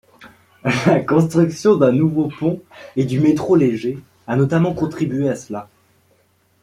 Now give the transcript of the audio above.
La construction d'un nouveau pont et du métro léger a notamment contribué à cela.